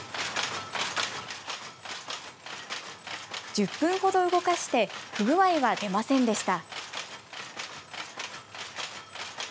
１０分ほど動かして不具合は出ませんでした。